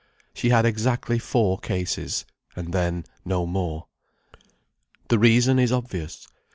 She had exactly four cases—and then no more. The reason is obvious.